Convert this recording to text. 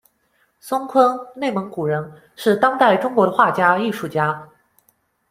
宋琨，内蒙古人，是当代中国的画家、艺术家。